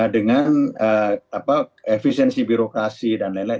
dengan efisiensi birokrasi dan lain lain